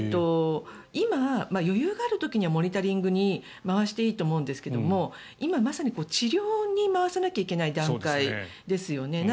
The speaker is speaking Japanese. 今、余裕がある時にはモニタリングに回していいと思うんですが今まさに治療に回さなきゃいけない段階ですよね。